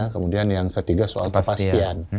kemudian yang ketiga soal kepastian